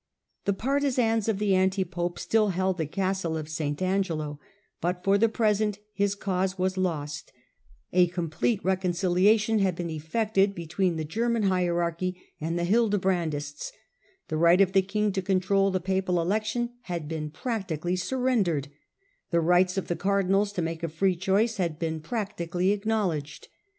The partisans of the anti pope still held the castle of St. Angelo, but for the present his cause was lost ; a complete reconciliation had been efiected between the German hierai'chy and the Hildebrandists ; the right of the king to control the papal election had been practically surrendered, the rights of the cardinals to make a free choice had been practically acknowledged.